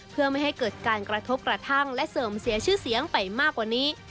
เพื่อไม่ให้เกิดการกระทบกระทั่งและเสื่อมเสียชื่อเสียงไปมากกว่านี้